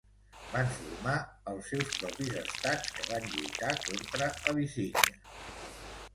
Van formar els seus propis estats que van lluitar contra Abissínia.